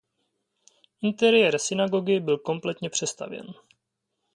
Interiér synagogy byl kompletně přestavěn.